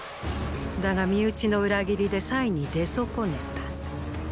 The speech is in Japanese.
だが身内の裏切りで“祭”に出損ねた。